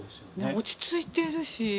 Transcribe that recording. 落ち着いてるし。